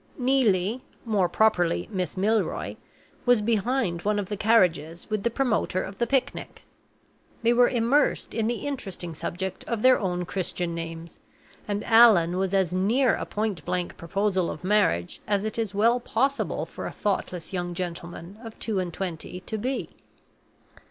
Neelie more properly Miss Milroy was behind one of the carriages with the promoter of the picnic. They were immersed in the interesting subject of their own Christian names, and Allan was as near a pointblank proposal of marriage as it is well possible for a thoughtless young gentleman of two and twenty to be.